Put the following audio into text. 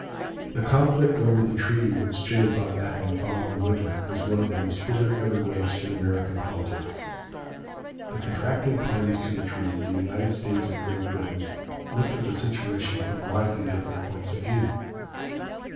The conflict over the treaty which Jay brought back in the following winter was one of the most bitter ever waged in American politics. The contracting parties to the treaty the United States and Great Britain looked at the situation from widely different points of view.